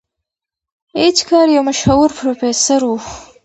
ای اېچ کار یو مشهور پروفیسور و.